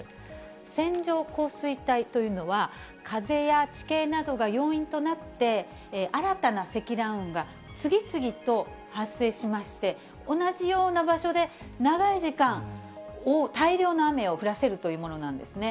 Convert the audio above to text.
線状降水帯というのは、風や地形などが要因となって、新たな積乱雲が次々と発生しまして、同じような場所で長い時間、大量の雨を降らせるというものなんですね。